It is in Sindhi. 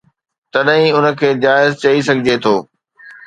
تڏهن ئي ان کي جائز چئي سگهجي ٿو